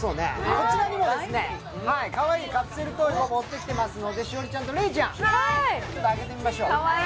こちらにもかわいいカプセルトイを持ってきていますので、栞里ちゃんと礼ちゃん開けてみましょう。